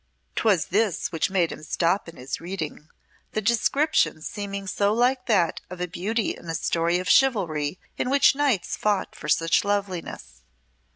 'Twas this which made him stop in his reading. The description seeming so like that of a beauty in a story of chivalry in which knights fought for such loveliness.